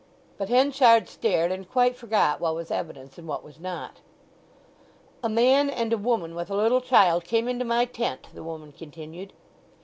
But Henchard stared, and quite forgot what was evidence and what was not. "A man and a woman with a little child came into my tent," the woman continued.